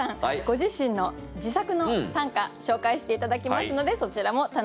ご自身の自作の短歌紹介して頂きますのでそちらも楽しみですね